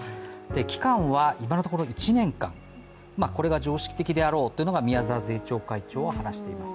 期間は今のところ１年間、これが常識的であろうというのを宮沢税調会長は話しています。